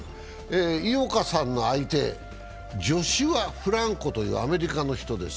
井岡さんの相手、ジョシュア・フランコというアメリカの人です。